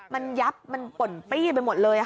มันยับมันป่นปี้ไปหมดเลย